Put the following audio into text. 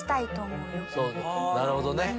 なるほどね。